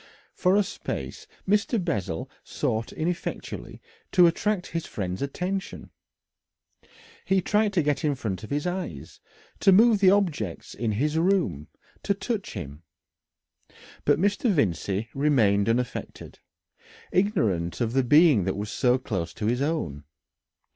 For a space Mr. Bessel sought ineffectually to attract his friend's attention. He tried to get in front of his eyes, to move the objects in his room, to touch him. But Mr. Vincey remained unaffected, ignorant of the being that was so close to his own.